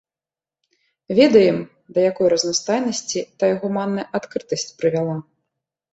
Ведаем, да якой разнастайнасці тая гуманная адкрытасць прывяла.